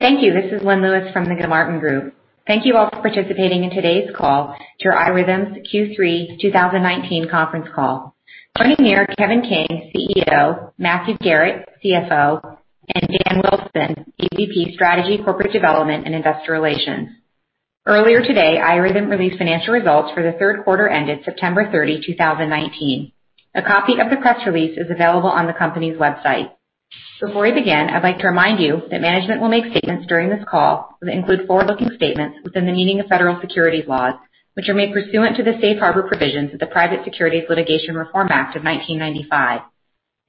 Thank you. This is Lynn Lewis from the Gilmartin Group. Thank you all for participating in today's call to iRhythm's Q3 2019 conference call. Joining me are Kevin King, CEO, Matthew Garrett, CFO, and Dan Wilson, EVP, Strategy, Corporate Development, and Investor Relations. Earlier today, iRhythm released financial results for the third quarter ended September 30, 2019. A copy of the press release is available on the company's website. Before we begin, I'd like to remind you that management will make statements during this call that include forward-looking statements within the meaning of federal securities laws, which are made pursuant to the Safe Harbor provisions of the Private Securities Litigation Reform Act of 1995.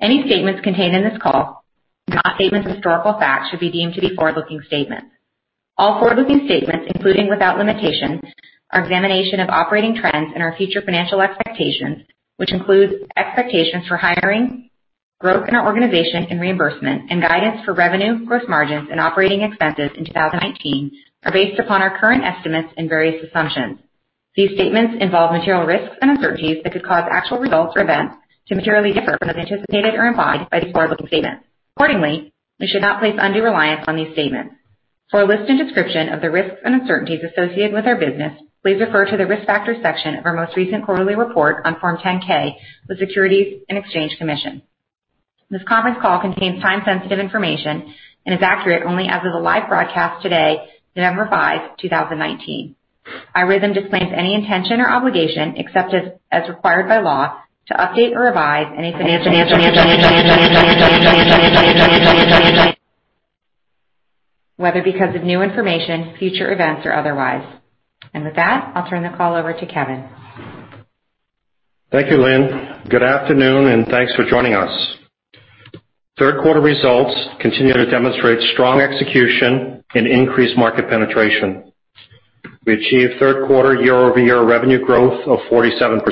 Any statements contained in this call not statements of historical fact should be deemed to be forward-looking statements. All forward-looking statements, including without limitations, our examination of operating trends and our future financial expectations, which includes expectations for hiring, growth in our organization, and reimbursement, and guidance for revenue, gross margins, and operating expenses in 2019 are based upon our current estimates and various assumptions. These statements involve material risks and uncertainties that could cause actual results or events to materially differ from those anticipated or implied by these forward-looking statements. Accordingly, you should not place undue reliance on these statements. For a list and description of the risks and uncertainties associated with our business, please refer to the Risk Factors section of our most recent quarterly report on Form 10-K with Securities and Exchange Commission. This conference call contains time-sensitive information and is accurate only as of the live broadcast today, November 5, 2019. iRhythm disclaims any intention or obligation, except as required by law, to update or revise any financial whether because of new information, future events, or otherwise. With that, I'll turn the call over to Kevin. Thank you, Lynn. Good afternoon, and thanks for joining us. Third quarter results continue to demonstrate strong execution and increased market penetration. We achieved third quarter year-over-year revenue growth of 47%,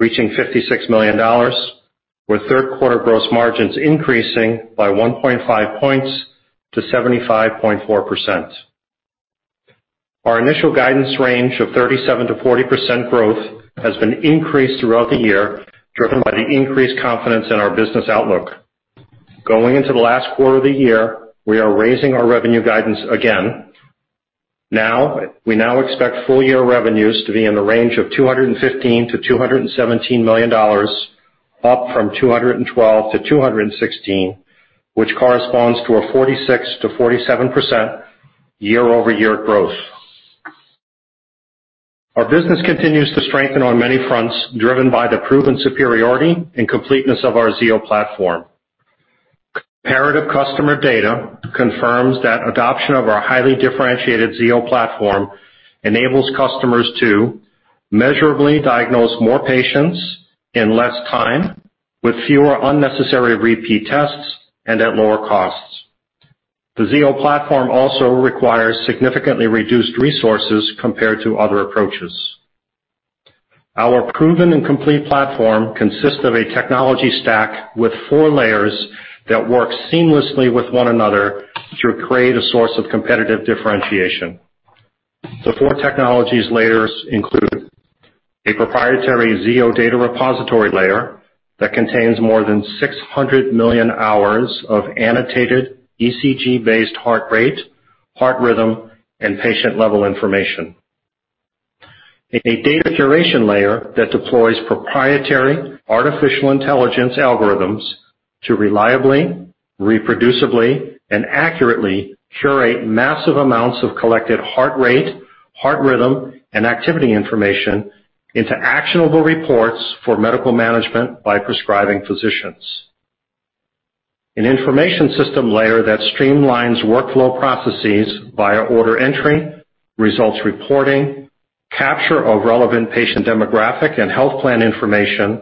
reaching $56 million, with third quarter gross margins increasing by 1.5 points to 75.4%. Our initial guidance range of 37%-40% growth has been increased throughout the year, driven by the increased confidence in our business outlook. Going into the last quarter of the year, we are raising our revenue guidance again. We now expect full-year revenues to be in the range of $215 million-$217 million, up from $212 million-$216 million, which corresponds to a 46%-47% year-over-year growth. Our business continues to strengthen on many fronts, driven by the proven superiority and completeness of our Zio platform. Comparative customer data confirms that adoption of our highly differentiated Zio platform enables customers to measurably diagnose more patients in less time with fewer unnecessary repeat tests and at lower costs. The Zio platform also requires significantly reduced resources compared to other approaches. Our proven and complete platform consists of a technology stack with 4 layers that work seamlessly with one another to create a source of competitive differentiation. The 4 technologies layers include a proprietary Zio data repository layer that contains more than 600 million hours of annotated ECG-based heart rate, heart rhythm, and patient-level information. A data curation layer that deploys proprietary artificial intelligence algorithms to reliably, reproducibly, and accurately curate massive amounts of collected heart rate, heart rhythm, and activity information into actionable reports for medical management by prescribing physicians. An information system layer that streamlines workflow processes via order entry, results reporting, capture of relevant patient demographic and health plan information,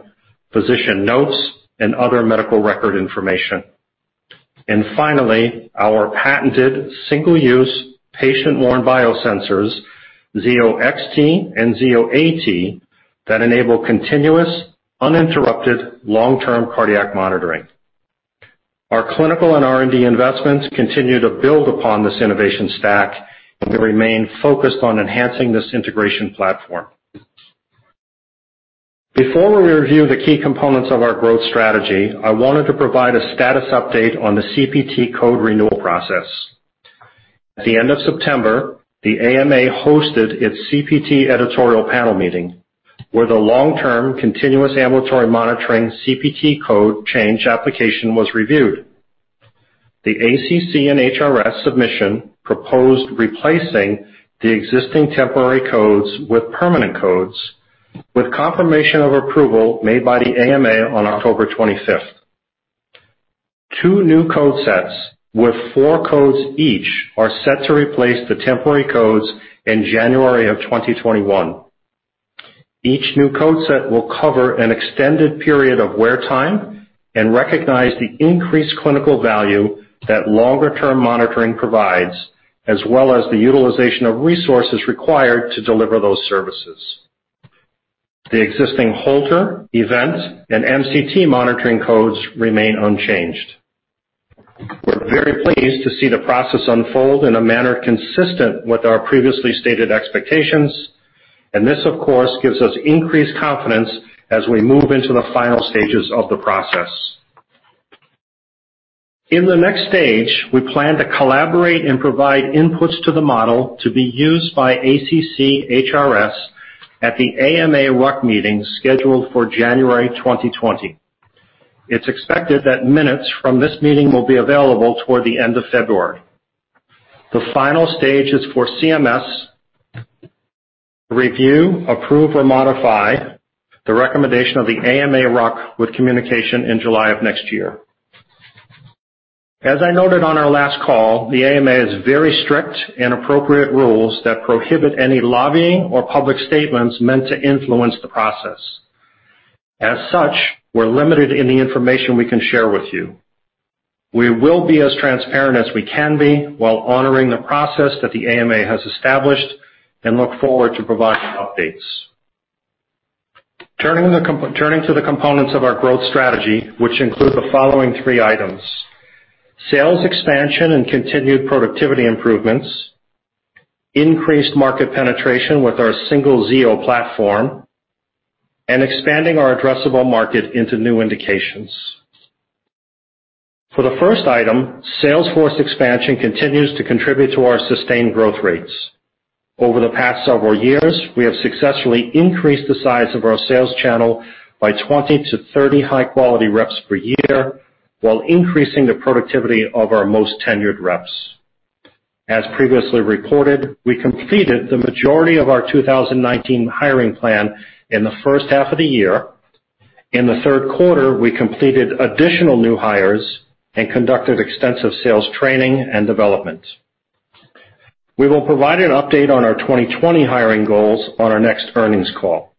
physician notes, and other medical record information. Finally, our patented single-use patient-worn biosensors, Zio XT and Zio AT, that enable continuous, uninterrupted long-term cardiac monitoring. Our clinical and R&D investments continue to build upon this innovation stack, and we remain focused on enhancing this integration platform. Before we review the key components of our growth strategy, I wanted to provide a status update on the CPT code renewal process. At the end of September, the AMA hosted its CPT editorial panel meeting, where the long-term continuous ambulatory monitoring CPT code change application was reviewed. The ACC and HRS submission proposed replacing the existing temporary codes with permanent codes, with confirmation of approval made by the AMA on October 25th. Two new code sets with four codes each are set to replace the temporary codes in January of 2021. Each new code set will cover an extended period of wear time and recognize the increased clinical value that longer-term monitoring provides, as well as the utilization of resources required to deliver those services. The existing Holter, Event, and MCT monitoring codes remain unchanged. We're very pleased to see the process unfold in a manner consistent with our previously stated expectations. This, of course, gives us increased confidence as we move into the final stages of the process. In the next stage, we plan to collaborate and provide inputs to the model to be used by ACC HRS at the AMA RUC meeting scheduled for January 2020. It's expected that minutes from this meeting will be available toward the end of February. The final stage is for CMS to review, approve, or modify the recommendation of the AMA RUC with communication in July of next year. As I noted on our last call, the AMA has very strict and appropriate rules that prohibit any lobbying or public statements meant to influence the process. We're limited in the information we can share with you. We will be as transparent as we can be while honoring the process that the AMA has established, and look forward to providing updates. Turning to the components of our growth strategy, which include the following three items: sales expansion and continued productivity improvements, increased market penetration with our single Zio platform, and expanding our addressable market into new indications. For the first item, sales force expansion continues to contribute to our sustained growth rates. Over the past several years, we have successfully increased the size of our sales channel by 20 to 30 high-quality reps per year while increasing the productivity of our most tenured reps. As previously reported, we completed the majority of our 2019 hiring plan in the first half of the year. In the third quarter, we completed additional new hires and conducted extensive sales training and development. We will provide an update on our 2020 hiring goals on our next earnings call.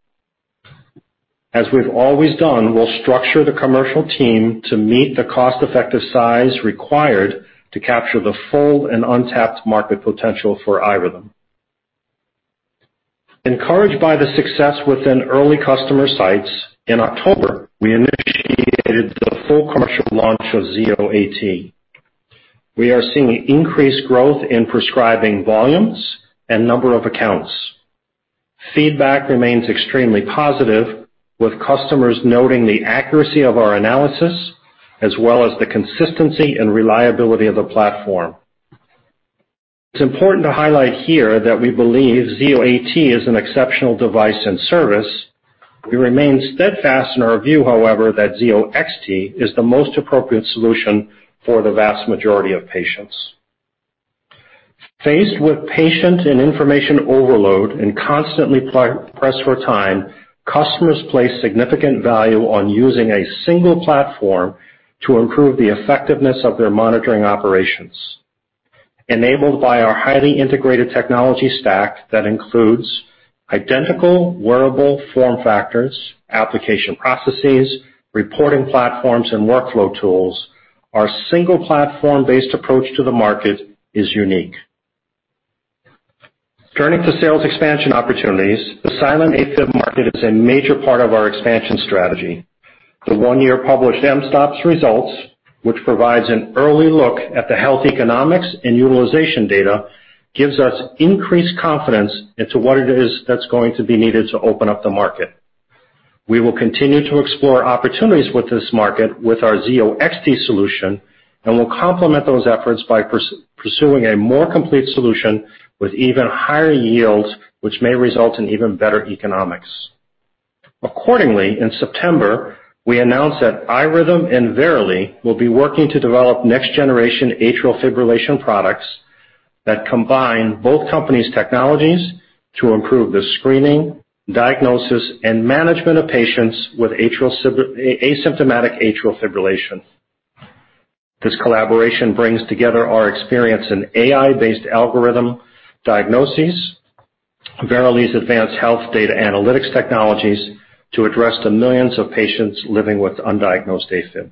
As we've always done, we'll structure the commercial team to meet the cost-effective size required to capture the full and untapped market potential for iRhythm. Encouraged by the success within early customer sites, in October, we initiated the full commercial launch of Zio AT. We are seeing increased growth in prescribing volumes and number of accounts. Feedback remains extremely positive, with customers noting the accuracy of our analysis, as well as the consistency and reliability of the platform. It is important to highlight here that we believe Zio AT is an exceptional device and service. We remain steadfast in our view, however, that Zio XT is the most appropriate solution for the vast majority of patients. Faced with patient and information overload and constantly pressed for time, customers place significant value on using a single platform to improve the effectiveness of their monitoring operations. Enabled by our highly integrated technology stack that includes identical wearable form factors, application processes, reporting platforms, and workflow tools, our single platform-based approach to the market is unique. Turning to sales expansion opportunities, the silent AFib market is a major part of our expansion strategy. The one-year published mSToPS results, which provides an early look at the health economics and utilization data, gives us increased confidence into what it is that's going to be needed to open up the market. We will continue to explore opportunities with this market with our Zio XT solution, we'll complement those efforts by pursuing a more complete solution with even higher yields, which may result in even better economics. Accordingly, in September, we announced that iRhythm and Verily will be working to develop next-generation Atrial fibrillation products that combine both companies' technologies to improve the screening, diagnosis, and management of patients with asymptomatic Atrial fibrillation. This collaboration brings together our experience in AI-based algorithm diagnoses, Verily's advanced health data analytics technologies to address the millions of patients living with undiagnosed AFib.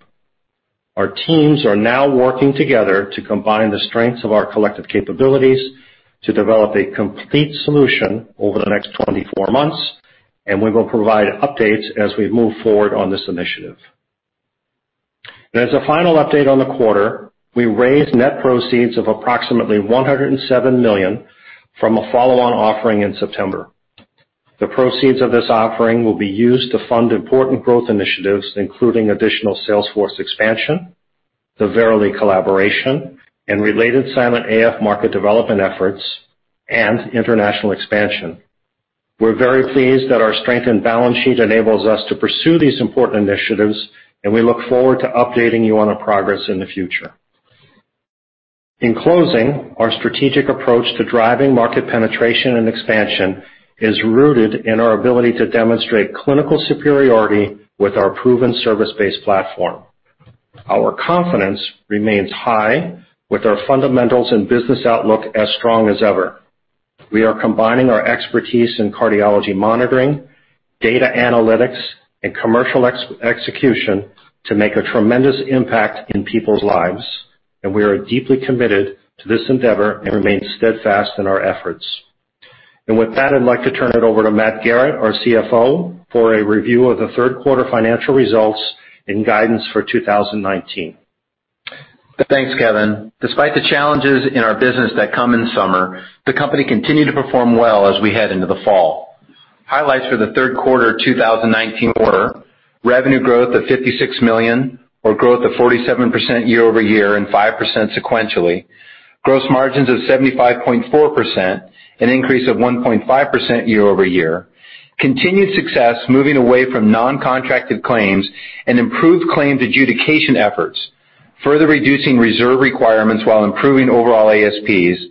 Our teams are now working together to combine the strengths of our collective capabilities to develop a complete solution over the next 24 months. We will provide updates as we move forward on this initiative. As a final update on the quarter, we raised net proceeds of approximately $107 million from a follow-on offering in September. The proceeds of this offering will be used to fund important growth initiatives, including additional sales force expansion, the Verily collaboration, and related silent AF market development efforts and international expansion. We're very pleased that our strengthened balance sheet enables us to pursue these important initiatives, and we look forward to updating you on our progress in the future. In closing, our strategic approach to driving market penetration and expansion is rooted in our ability to demonstrate clinical superiority with our proven service-based platform. Our confidence remains high with our fundamentals and business outlook as strong as ever. We are combining our expertise in cardiology monitoring, data analytics, and commercial execution to make a tremendous impact in people's lives, and we are deeply committed to this endeavor and remain steadfast in our efforts. With that, I'd like to turn it over to Matt Garrett, our CFO, for a review of the third quarter financial results and guidance for 2019. Thanks, Kevin. Despite the challenges in our business that come in summer, the company continued to perform well as we head into the fall. Highlights for the third quarter 2019 were: revenue growth of $56 million, or growth of 47% year-over-year and 5% sequentially; gross margins of 75.4%, an increase of 1.5% year-over-year; continued success moving away from non-contracted claims and improved claims adjudication efforts, further reducing reserve requirements while improving overall ASPs.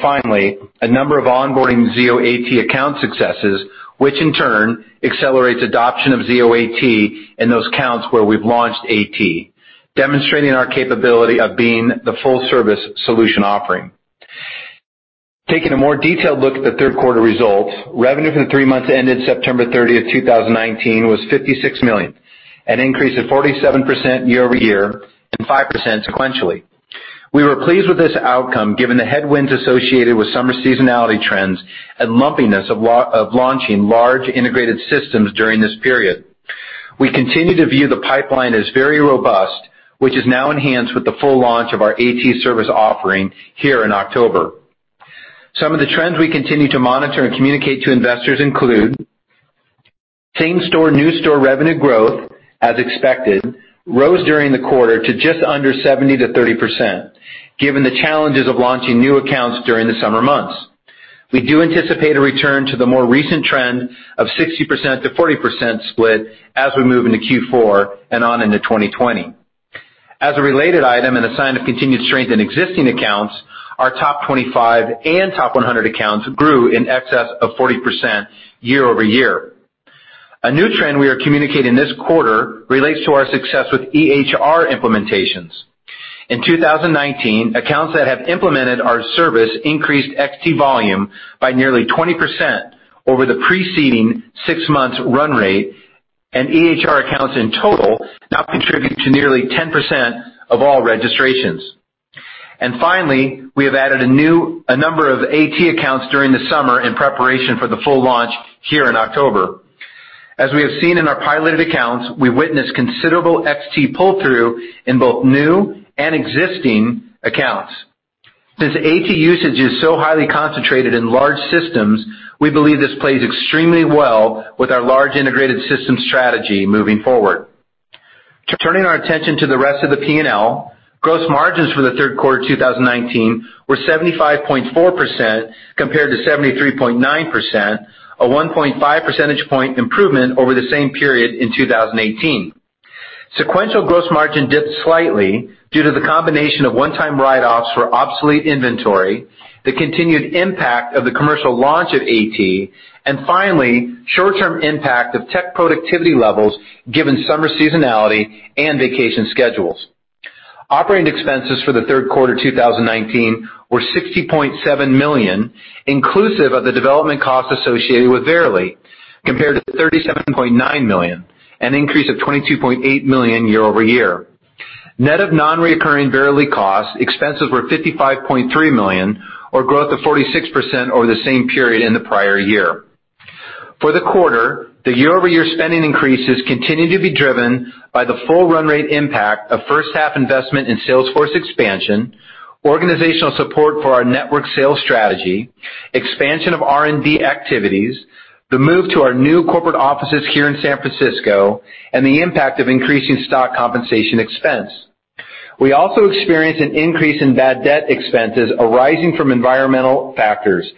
Finally, a number of onboarding Zio AT account successes, which in turn accelerates adoption of Zio AT in those accounts where we've launched AT, demonstrating our capability of being the full service solution offering. Taking a more detailed look at the third quarter results, revenue for the three months ended September 30, 2019, was $56 million, an increase of 47% year-over-year and 5% sequentially. We were pleased with this outcome, given the headwinds associated with summer seasonality trends and lumpiness of launching large integrated systems during this period. We continue to view the pipeline as very robust, which is now enhanced with the full launch of our AT service offering here in October. Some of the trends we continue to monitor and communicate to investors include same store, new store revenue growth, as expected, rose during the quarter to just under 70% to 30%, given the challenges of launching new accounts during the summer months. We do anticipate a return to the more recent trend of 60% to 40% split as we move into Q4 and on into 2020. As a related item and a sign of continued strength in existing accounts, our top 25 and top 100 accounts grew in excess of 40% year-over-year. A new trend we are communicating this quarter relates to our success with EHR implementations. In 2019, accounts that have implemented our service increased XT volume by nearly 20% over the preceding six months run rate, and EHR accounts in total now contribute to nearly 10% of all registrations. Finally, we have added a number of AT accounts during the summer in preparation for the full launch here in October. As we have seen in our piloted accounts, we witnessed considerable XT pull-through in both new and existing accounts. Since AT usage is so highly concentrated in large systems, we believe this plays extremely well with our large integrated system strategy moving forward. Turning our attention to the rest of the P&L, gross margins for the third quarter 2019 were 75.4% compared to 73.9%, a 1.5 percentage point improvement over the same period in 2018. Sequential gross margin dipped slightly due to the combination of one-time write-offs for obsolete inventory, the continued impact of the commercial launch of AT, and finally, short-term impact of tech productivity levels given summer seasonality and vacation schedules. Operating expenses for the third quarter 2019 were $60.7 million, inclusive of the development costs associated with Verily, compared to $37.9 million, an increase of $22.8 million year-over-year. Net of non-recurring Verily costs, expenses were $55.3 million or growth of 46% over the same period in the prior year. For the quarter, the year-over-year spending increases continue to be driven by the full run rate impact of first half investment in salesforce expansion, organizational support for our network sales strategy, expansion of R&D activities, the move to our new corporate offices here in San Francisco, and the impact of increasing stock compensation expense. We also experienced an increase in bad debt expenses arising from environmental factors,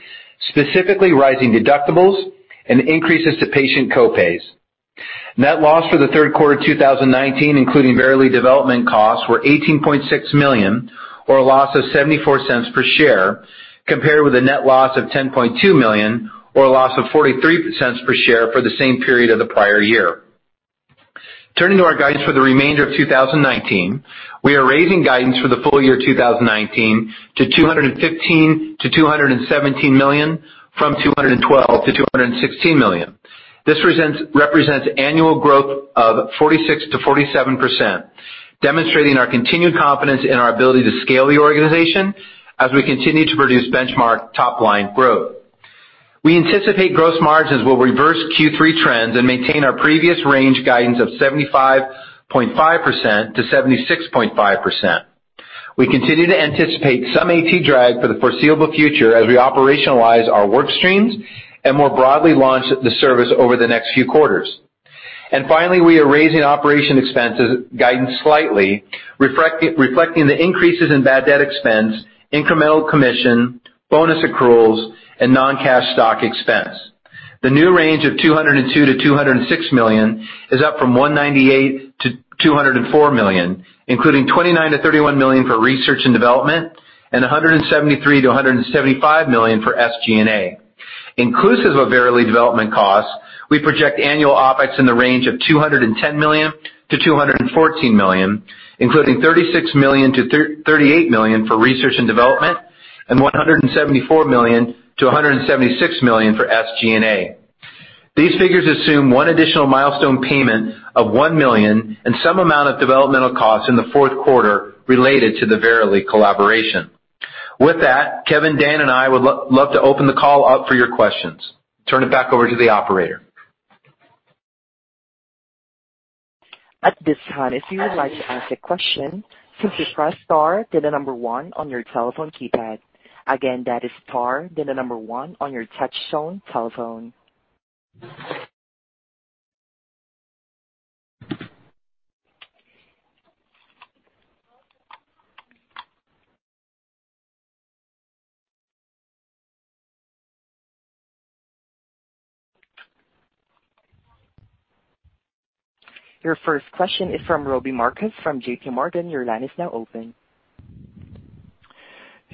specifically rising deductibles and increases to patient co-pays. Net loss for the third quarter 2019, including Verily development costs, were $18.6 million or a loss of $0.74 per share, compared with a net loss of $10.2 million or a loss of $0.43 per share for the same period of the prior year. Turning to our guidance for the remainder of 2019, we are raising guidance for the full year 2019 to $215 million-$217 million from $212 million-$216 million. This represents annual growth of 46%-47%, demonstrating our continued confidence in our ability to scale the organization as we continue to produce benchmark top line growth. We anticipate gross margins will reverse Q3 trends and maintain our previous range guidance of 75.5%-76.5%. We continue to anticipate some AT drag for the foreseeable future as we operationalize our work streams and more broadly launch the service over the next few quarters. Finally, we are raising Operating Expenses guidance slightly, reflecting the increases in bad debt expense, incremental commission, bonus accruals, and non-cash stock expense. The new range of $202 million-$206 million is up from $198 million-$204 million, including $29 million-$31 million for research and development and $173 million-$175 million for SG&A. Inclusive of Verily development costs, we project annual OpEx in the range of $210 million-$214 million, including $36 million-$38 million for research and development and $174 million-$176 million for SG&A. These figures assume one additional milestone payment of $1 million and some amount of developmental costs in the fourth quarter related to the Verily collaboration. With that, Kevin, Dan, and I would love to open the call up for your questions. Turn it back over to the operator. At this time, if you would like to ask a question, please press star then the number one on your telephone keypad. Again, that is star then the number one on your touchtone telephone. Your first question is from Robbie Marcus from JPMorgan. Your line is now open.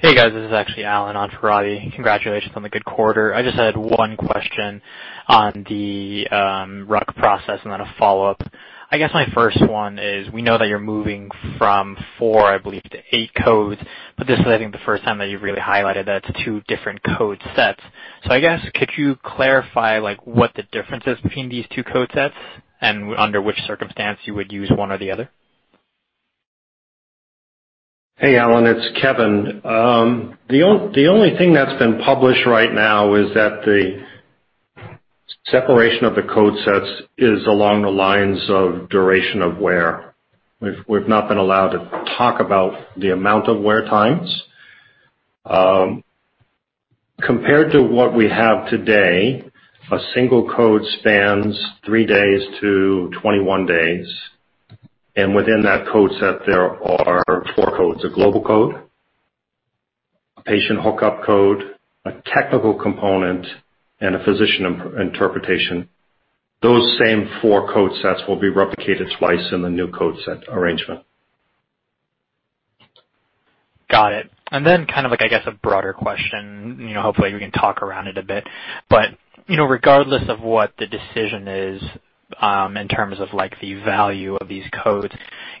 Hey, guys. This is actually Alan on for Robbie. Congratulations on the good quarter. I just had one question on the RUC process and then a follow-up. I guess my first one is, we know that you're moving from four, I believe, to eight codes. This is, I think, the first time that you've really highlighted that it's two different code sets. I guess, could you clarify what the difference is between these two code sets, and under which circumstance you would use one or the other? Hey, Alan, it's Kevin. The only thing that's been published right now is that the separation of the code sets is along the lines of duration of wear. We've not been allowed to talk about the amount of wear times. Compared to what we have today, a single code spans three days to 21 days. Within that code set, there are four codes, a global code, a patient hookup code, a technical component, and a physician interpretation. Those same four code sets will be replicated twice in the new code set arrangement. Got it. Kind of, I guess, a broader question. Hopefully, we can talk around it a bit. Regardless of what the decision is, in terms of the value of these codes,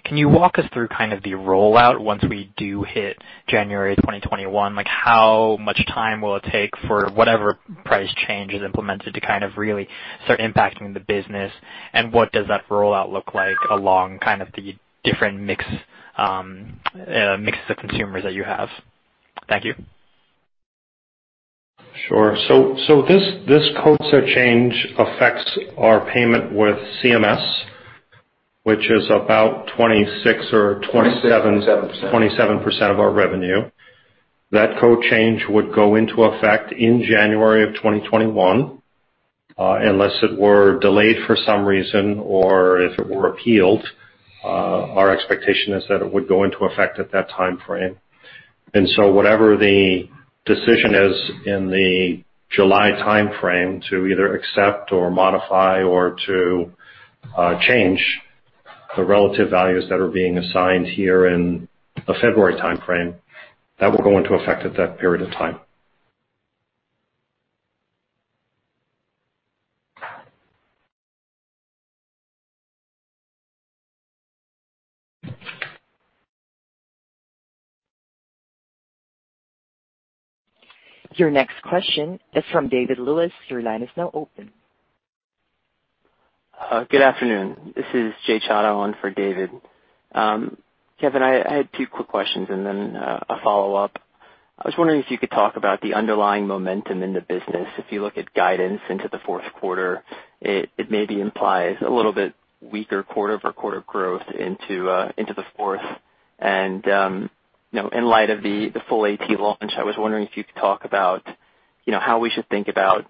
can you walk us through kind of the rollout once we do hit January 2021? How much time will it take for whatever price change is implemented to kind of really start impacting the business? What does that rollout look like along kind of the different mix of consumers that you have? Thank you. This code set change affects our payment with CMS, which is about 26 or 27% of our revenue. That code change would go into effect in January of 2021. Unless it were delayed for some reason or if it were appealed, our expectation is that it would go into effect at that timeframe. Whatever the decision is in the July timeframe to either accept or modify or to change the relative values that are being assigned here in the February timeframe, that will go into effect at that period of time. Your next question is from David Lewis. Your line is now open. Good afternoon. This is Jay Chad on for David. Kevin, I had two quick questions and then a follow-up. I was wondering if you could talk about the underlying momentum in the business. If you look at guidance into the fourth quarter, it maybe implies a little bit weaker quarter-over-quarter growth into the fourth. In light of the full AT launch, I was wondering if you could talk about how we should think about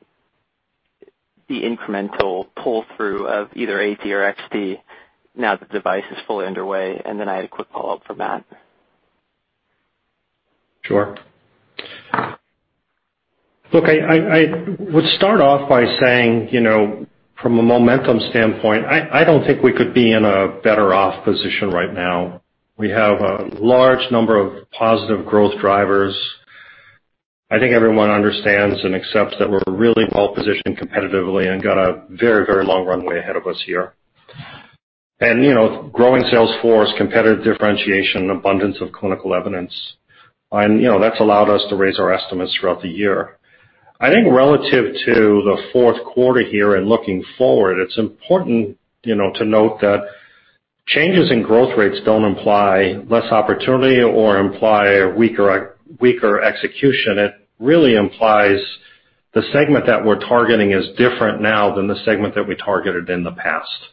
the incremental pull-through of either AT or XT now that the device is fully underway. I had a quick follow-up from that. Sure. Look, I would start off by saying, from a momentum standpoint, I don't think we could be in a better off position right now. We have a large number of positive growth drivers. I think everyone understands and accepts that we're really well-positioned competitively and got a very long runway ahead of us here. Growing sales force, competitive differentiation, abundance of clinical evidence, and that's allowed us to raise our estimates throughout the year. I think relative to the fourth quarter here and looking forward, it's important to note that changes in growth rates don't imply less opportunity or imply a weaker execution. It really implies the segment that we're targeting is different now than the segment that we targeted in the past.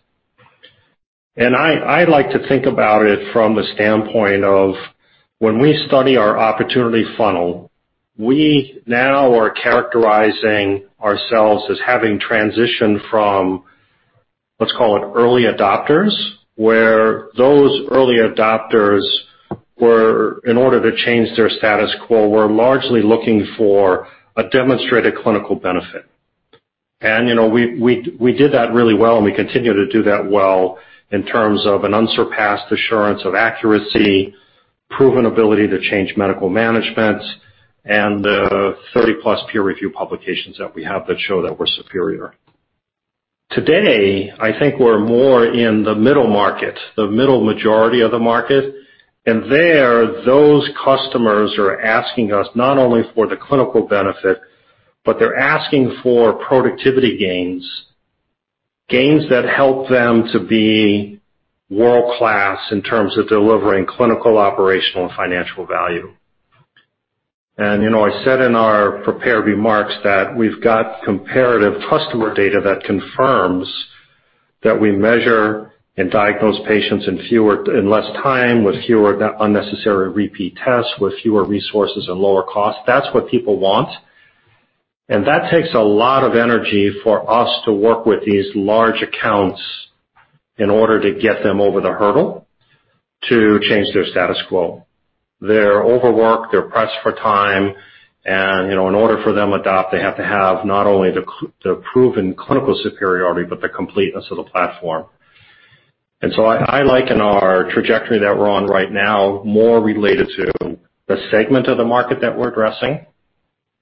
I like to think about it from the standpoint of when we study our opportunity funnel, we now are characterizing ourselves as having transitioned from, let's call it early adopters, where those early adopters were, in order to change their status quo, were largely looking for a demonstrated clinical benefit. We did that really well, and we continue to do that well in terms of an unsurpassed assurance of accuracy, proven ability to change medical management, and the 30-plus peer review publications that we have that show that we're superior. Today, I think we're more in the middle market, the middle majority of the market. There, those customers are asking us not only for the clinical benefit, but they're asking for productivity gains that help them to be world-class in terms of delivering clinical, operational, and financial value. I said in our prepared remarks that we've got comparative customer data that confirms that we measure and diagnose patients in less time with fewer unnecessary repeat tests, with fewer resources and lower cost. That's what people want. That takes a lot of energy for us to work with these large accounts in order to get them over the hurdle to change their status quo. They're overworked, they're pressed for time, and in order for them to adopt, they have to have not only the proven clinical superiority, but the completeness of the platform. I liken our trajectory that we're on right now, more related to the segment of the market that we're addressing.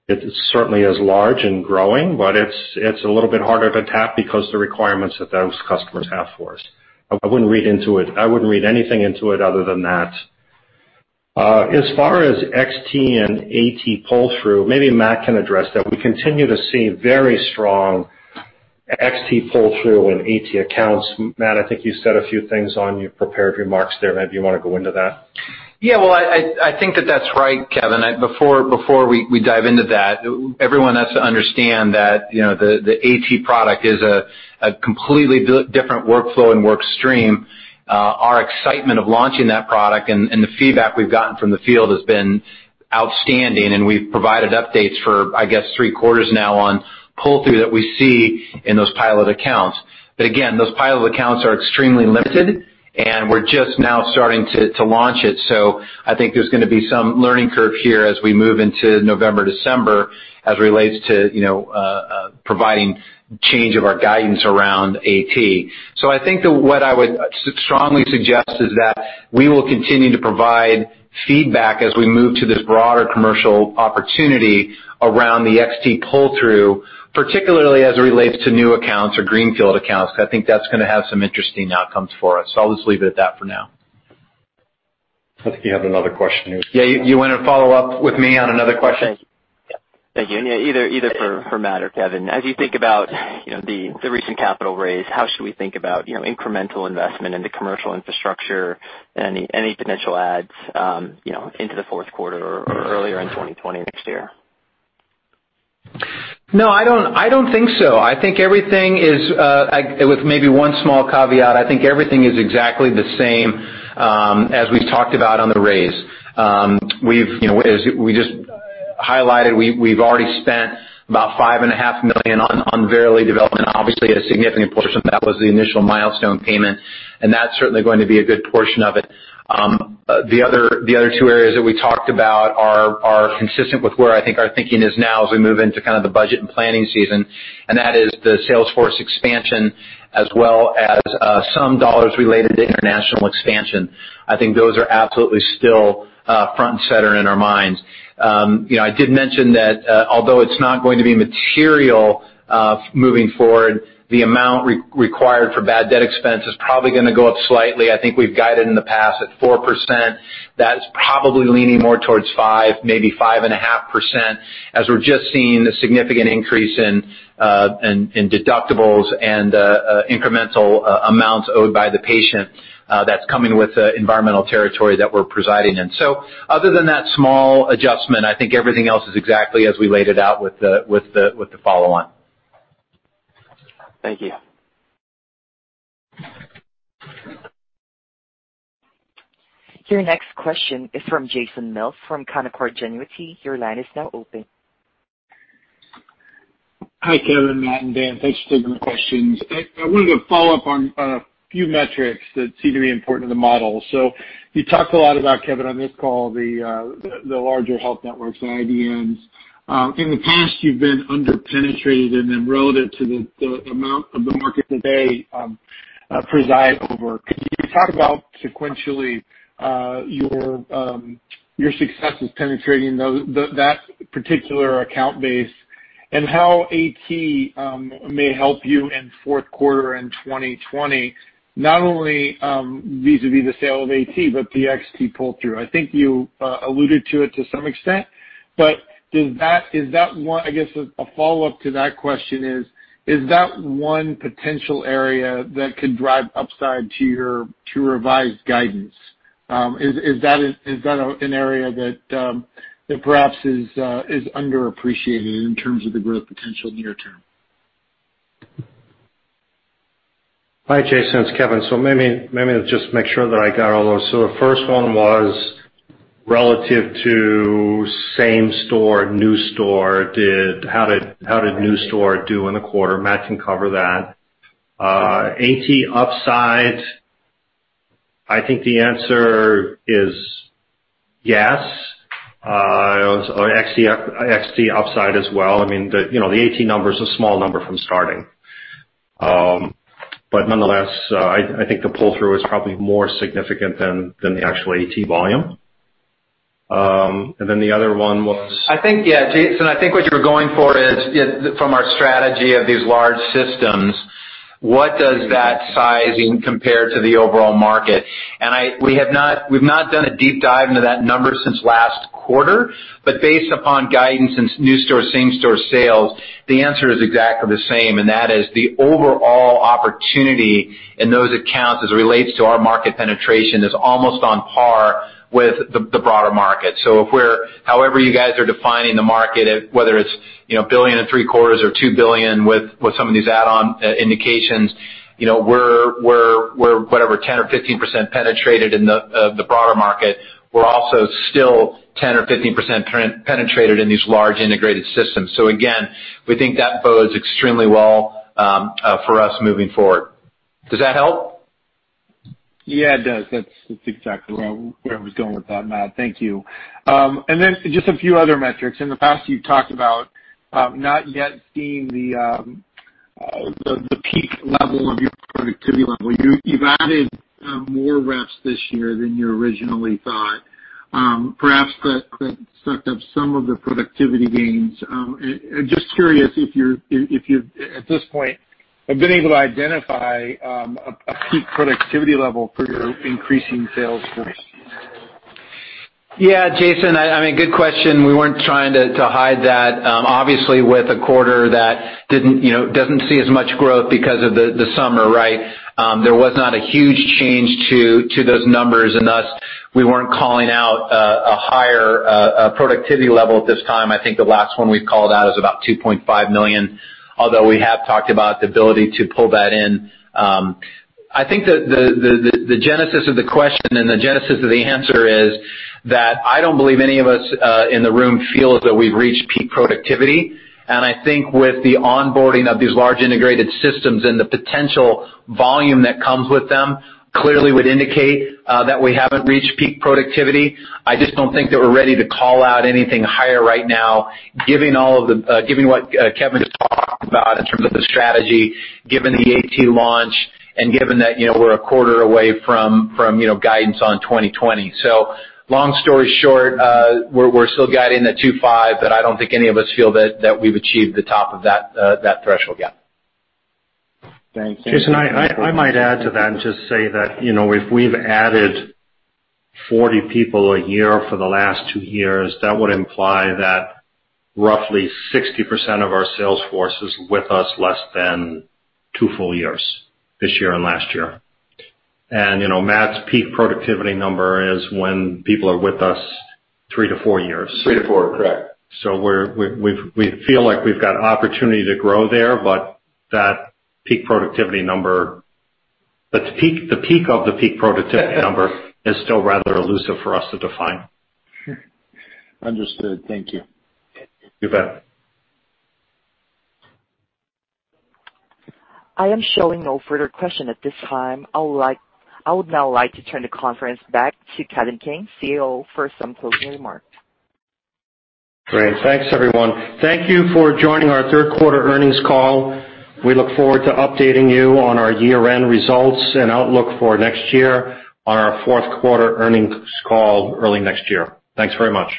It certainly is large and growing, but it's a little bit harder to tap because the requirements that those customers have for us. I wouldn't read anything into it other than that. As far as XT and AT pull-through, maybe Matt can address that. We continue to see very strong XT pull-through in AT accounts. Matt, I think you said a few things on your prepared remarks there. Maybe you want to go into that? Yeah, well, I think that that's right, Kevin. Before we dive into that, everyone has to understand that the AT product is a completely different workflow and work stream. Our excitement of launching that product and the feedback we've gotten from the field has been outstanding, and we've provided updates for, I guess, three quarters now on pull-through that we see in those pilot accounts. Again, those pilot accounts are extremely limited, and we're just now starting to launch it. I think there's going to be some learning curve here as we move into November, December, as it relates to providing change of our guidance around AT. I think that what I would strongly suggest is that we will continue to provide feedback as we move to this broader commercial opportunity around the XT pull-through, particularly as it relates to new accounts or greenfield accounts, because I think that's going to have some interesting outcomes for us. I'll just leave it at that for now. I think you have another question here. Yeah, you want to follow up with me on another question? Thank you. Yeah, either for Matt or Kevin. As you think about the recent capital raise, how should we think about incremental investment in the commercial infrastructure and any potential adds into the fourth quarter or earlier in 2020 next year? No, I don't think so. I think with maybe one small caveat, I think everything is exactly the same as we've talked about on the raise. We just highlighted, we've already spent about $5.5 million on Verily development. Obviously, a significant portion of that was the initial milestone payment, and that's certainly going to be a good portion of it. The other two areas that we talked about are consistent with where I think our thinking is now as we move into the budget and planning season, and that is the sales force expansion as well as some dollars related to international expansion. I think those are absolutely still front and center in our minds. I did mention that although it's not going to be material moving forward, the amount required for bad debt expense is probably going to go up slightly. I think we've guided in the past at 4%. That is probably leaning more towards 5%, maybe 5.5%, as we're just seeing a significant increase in deductibles and incremental amounts owed by the patient that's coming with the environmental territory that we're presiding in. Other than that small adjustment, I think everything else is exactly as we laid it out with the follow-on. Thank you. Your next question is from Jason Mills from Canaccord Genuity. Your line is now open. Hi, Kevin, Matt, and Dan. Thanks for taking the questions. I wanted to follow up on a few metrics that seem to be important to the model. You talked a lot about, Kevin, on this call, the larger health networks, the IDNs. In the past, you've been under-penetrated and then relative to the amount of the market that they preside over. Could you talk about sequentially your success with penetrating that particular account base and how AT may help you in fourth quarter and 2020? Not only vis-à-vis the sale of AT, but the XT pull-through. I think you alluded to it to some extent, but I guess a follow-up to that question is that one potential area that could drive upside to your revised guidance? Is that an area that perhaps is underappreciated in terms of the growth potential near term? Hi, Jason, it's Kevin. Let me just make sure that I got all those. The first one was relative to same store, new store, how did new store do in the quarter? Matt can cover that. AT upside, I think the answer is yes. XT upside as well. The AT number is a small number from starting. Nonetheless, I think the pull-through is probably more significant than the actual AT volume. Yeah, Jason, I think what you're going for is from our strategy of these large systems. What does that sizing compare to the overall market? We've not done a deep dive into that number since last quarter. Based upon guidance and new store, same store sales, the answer is exactly the same, and that is the overall opportunity in those accounts as it relates to our market penetration is almost on par with the broader market. If however you guys are defining the market, whether it's $1.75 billion or $2 billion with some of these add-on indications, we're whatever, 10% or 15% penetrated in the broader market. We're also still 10% or 15% penetrated in these large integrated systems. Again, we think that bodes extremely well for us moving forward. Does that help? Yeah, it does. That's exactly where I was going with that, Matt. Thank you. Then just a few other metrics. In the past, you've talked about not yet seeing the peak level of your productivity level. You've added more reps this year than you originally thought. Perhaps that sucked up some of the productivity gains. Just curious if you, at this point, have been able to identify a peak productivity level for your increasing sales force. Jason, good question. We weren't trying to hide that. Obviously, with a quarter that doesn't see as much growth because of the summer, right? There was not a huge change to those numbers, and thus, we weren't calling out a higher productivity level at this time. I think the last one we called out is about $2.5 million, although we have talked about the ability to pull that in. I think the genesis of the question and the genesis of the answer is that I don't believe any of us in the room feels that we've reached peak productivity. I think with the onboarding of these large integrated systems and the potential volume that comes with them, clearly would indicate that we haven't reached peak productivity. I just don't think that we're ready to call out anything higher right now, given what Kevin just talked about in terms of the strategy, given the AT launch, and given that we're a quarter away from guidance on 2020. Long story short, we're still guiding the $2.5, but I don't think any of us feel that we've achieved the top of that threshold yet. Thanks. Jason, I might add to that and just say that if we've added 40 people a year for the last two years, that would imply that roughly 60% of our sales force is with us less than two full years, this year and last year. Matt's peak productivity number is when people are with us three to four years. Three to four, correct. We feel like we've got opportunity to grow there, but the peak of the peak productivity number is still rather elusive for us to define. Understood. Thank you. You bet. I am showing no further question at this time. I would now like to turn the conference back to Kevin King, CEO, for some closing remarks. Great. Thanks, everyone. Thank you for joining our third quarter earnings call. We look forward to updating you on our year-end results and outlook for next year on our fourth quarter earnings call early next year. Thanks very much.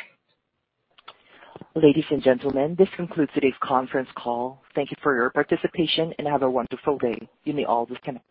Ladies and gentlemen, this concludes today's conference call. Thank you for your participation, and have a wonderful day. You may all disconnect.